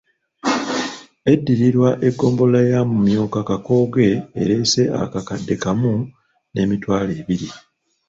Eddirirwa eggombolola ya Mumyuka Kakooge ereese akakadde kamu n’emitwalo ebiri.